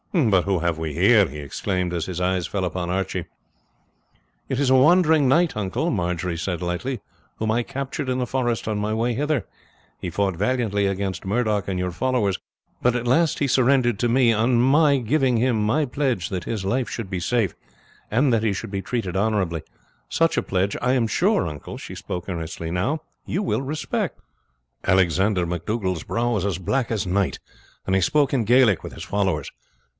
But who have we here?" he exclaimed, as his eye fell upon Archie. "It is a wandering knight, uncle," Marjory said lightly, "whom I captured in the forest on my way hither. He fought valiantly against Murdoch and your followers, but at last he surrendered to me on my giving him my pledge that his life should be safe, and that he should be treated honourably. Such a pledge I am sure, uncle," she spoke earnestly now, "you will respect." Alexander MacDougall's brow was as black as night, and he spoke in Gaelic with his followers.